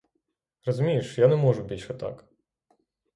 Розумієш, я не можу більше так.